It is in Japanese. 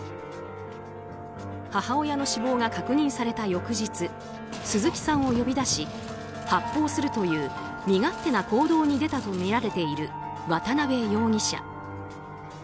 母親の死亡が確認された翌日鈴木さんを呼び出し発砲するという身勝手な行動に出たとみられている渡辺容疑者。